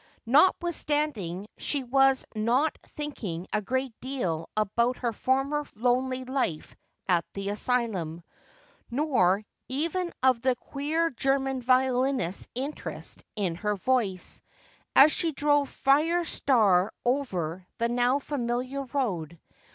Notwithstanding she was not thinking a great deal about her former lonely life at the asylum, nor even of the queer German violinist's interest in her voice, as she drove Fire Star over the now familiar road.